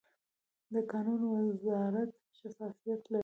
د کانونو وزارت شفافیت لري؟